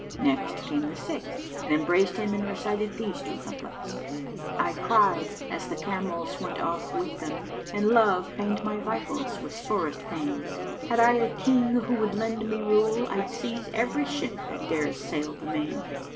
Next came the sixth and embraced him and recited these two couplets, "I cried, as the camels went off with them, * And Love pained my vitals with sorest pain: Had I a King who would lend me rule * I'd seize every ship that dares sail the Main."